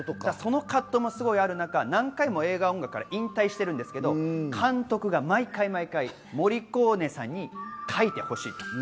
その葛藤もある中、何回も映画音楽から引退してるんですけれど、監督が毎回毎回モリコーネさんに書いてほしいと。